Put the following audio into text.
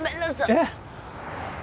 えっ？